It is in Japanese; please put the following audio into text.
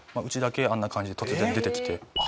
うちだけあんな感じで突然出てきて。